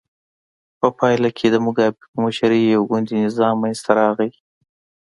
په پایله کې د موګابي په مشرۍ یو ګوندي نظام منځته راغی.